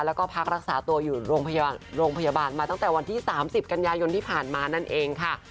แล้วก็พักรักษาตัวอยู่โรงพยาบาลมาตั้งแต่วันที่๓๐กันยายนที่ผ่านมานั่นเองค่ะ